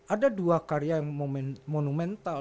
ada dua karya yang monumental